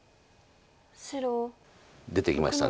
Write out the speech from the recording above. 出ていきました。